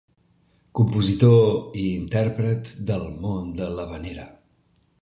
Compositor i intèrpret del món de l’havanera.